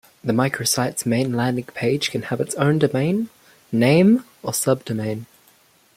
The microsite's main landing page can have its own domain name or subdomain.